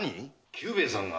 久兵衛さんが？